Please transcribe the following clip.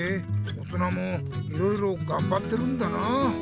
大人もいろいろがんばってるんだなあ。